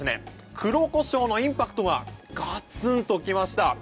黒コショウのインパクトがガツンときました。